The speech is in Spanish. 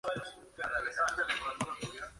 Organización territorial de Letonia